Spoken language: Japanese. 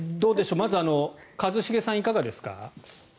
まずは一茂さん、いかがですか？